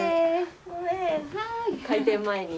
ごめん開店前に。